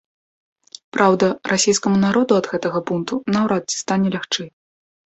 Праўда, расейскаму народу ад гэтага бунту наўрад ці стане лягчэй.